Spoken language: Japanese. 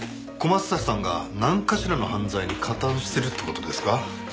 小松崎さんが何かしらの犯罪に加担してるって事ですか？